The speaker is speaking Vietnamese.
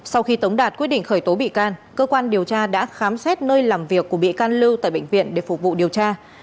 sau khi tống đạt quyết định khởi tố bị can cơ quan điều tra đã khám xét nơi làm việc của bị can lưu tại bệnh viện để phục vụ điều tra